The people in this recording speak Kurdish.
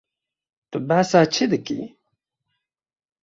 Tu behsa çi dikî?